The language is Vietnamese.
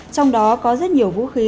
trong đó có rất nhiều vũ khí